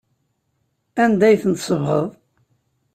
Anda ay ten-tsebɣeḍ?